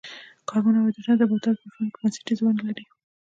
کاربن او هایدروجن د نباتاتو په ژوند کې بنسټیزه ونډه لري.